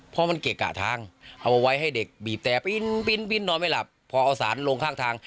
เพราะมันเกะกะทางเอาไว้ให้เด็กบีบแต่ปีนนอนไม่หลับพอเอาสารลงข้างทาง